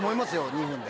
２分で。